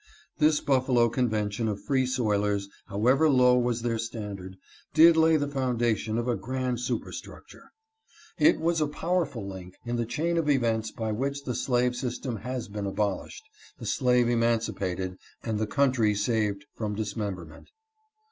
This Buffalo convention of free soilers, however low was their standard, did lay the foundation of a grand superstructure. It was a power ful link in the chain of events by which the slave system has been abolished, the slave emancipated and the coun try saved from dismemberment.